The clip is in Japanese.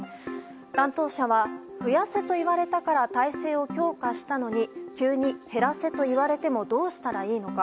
担当者は増やせと言われたから態勢を強化したのに急に減らせと言われてもどうしたらいいのか。